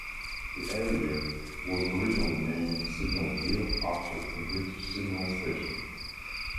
The area was originally named Signal Hill after a British signal station.